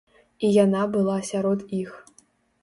І яна была сярод іх.